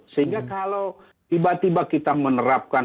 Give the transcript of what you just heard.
sehingga kalau tiba tiba kita menerapkan